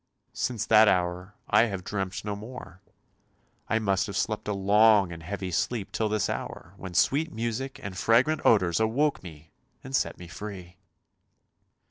Since that hour I have dreamt no more; I must have slept a long and heavy sleep till this hour, when sweet music and fragrant odours awoke me and set me free."